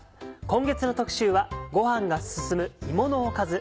今月の特集はごはんがすすむ芋のおかず。